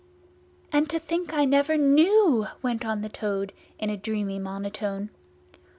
"And to think I never knew!" went on the Toad in a dreamy monotone.